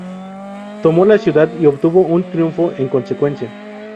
Tomó la ciudad, y obtuvo un triunfo en consecuencia.